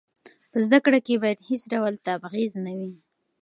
په زده کړه کې باید هېڅ ډول تبعیض نه وي.